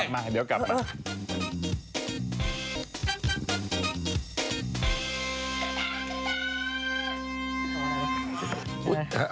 มาเดี๋ยวกลับมา